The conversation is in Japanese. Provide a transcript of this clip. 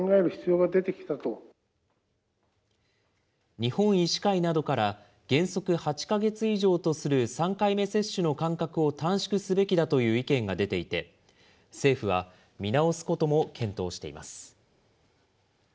日本医師会などから、原則８か月以上とする３回目接種の間隔を短縮すべきだという意見が出ていて、政府は見直すことも検討しています。